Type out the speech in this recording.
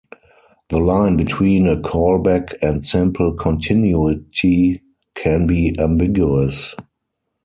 The line between a callback and simple continuity can be ambiguous.